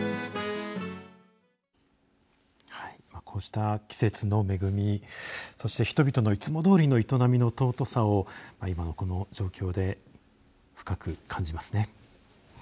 こうした季節のめぐみそして人々のいつもどおりの営みの尊さを今この状況で深く感じますね。